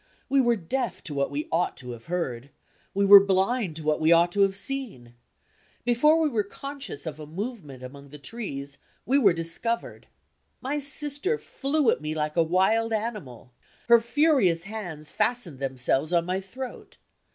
We were deaf to what we ought to have heard; we were blind to what we ought to have seen. Before we were conscious of a movement among the trees, we were discovered. My sister flew at me like a wild animal. Her furious hands fastened themselves on my throat.